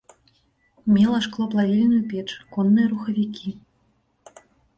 Мела шклоплавільную печ, конныя рухавікі.